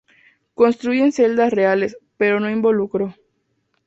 Construyen celdas reales, pero no involucro.